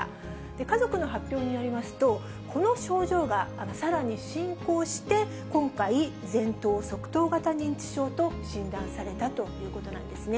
家族の発表によりますと、この症状がさらに進行して、今回、前頭側頭型認知症と診断されたということなんですね。